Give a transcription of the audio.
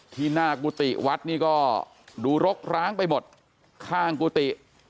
ที่หน้ากุฏิวัดนี่ก็ดูรกร้างไปหมดข้างกุฏิ